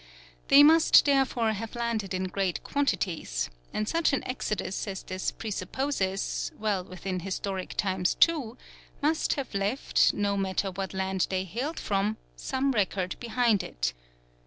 They must therefore have landed in great quantities, and such an exodus as this presupposes, well within historic times too, must have left, no matter what land they hailed from, some record behind it.